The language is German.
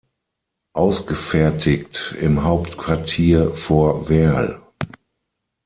Ausgefertigt im Hauptquartier vor Werl.